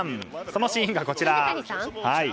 そのシーンがこちら。